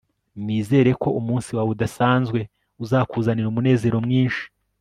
nizere ko umunsi wawe udasanzwe uzakuzanira umunezero mwinshi